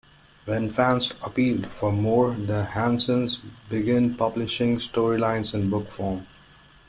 When fans appealed for more, the Hansens began publishing storylines in book form.